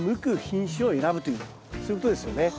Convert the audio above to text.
そういうことですよね。